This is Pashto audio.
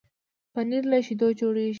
پنېر له شيدو جوړېږي.